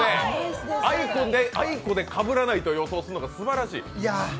「あいこ」でかぶらないと予想するのがすばらしい。